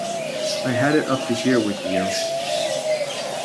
I've had it up to here with you.